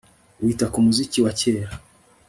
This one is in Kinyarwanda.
Wita ku muziki wa kera